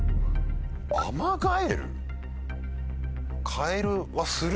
アマガエル？